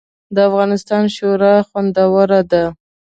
د افغانستان شوروا خوندوره ده